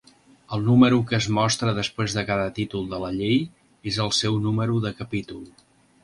El número que es mostra després de cada títol de la llei és el seu número de capítol.